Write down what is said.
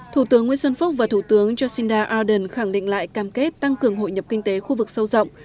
thủ tướng nguyễn xuân phúc và thủ tướng jacinda ardern khẳng định lại cam kết tăng cường hội nhập kinh tế khu vực sâu rộng